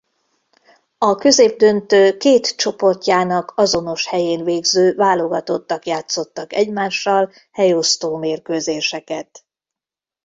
A középdöntő két csoportjának azonos helyén végző válogatottak játszottak egymással helyosztó mérkőzéseket.